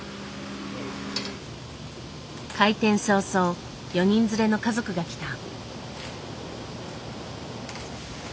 開店早々４人連れの家族が来た。